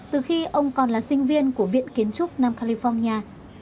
từ khi ông còn là sinh viên của viện kiến trúc nam california